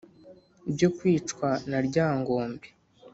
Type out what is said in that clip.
byo kicwa na lyangombe